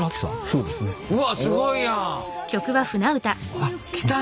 うわすごいやん！